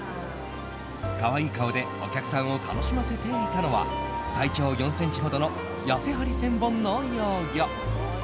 可愛い顔でお客さんを楽しませていたのは体長４ｃｍほどのヤセハリセンボンの幼魚。